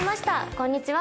こんにちは